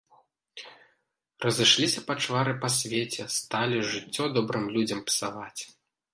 Разышліся пачвары па свеце, сталі жыццё добрым людзям псаваць.